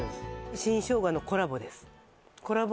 新生姜のコラボですコラボ